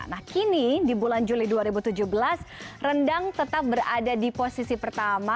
nah kini di bulan juli dua ribu tujuh belas rendang tetap berada di posisi pertama